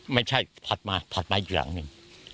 ไม่ใช่ผลัดมาผลัดมาอีกหลังหนึ่ง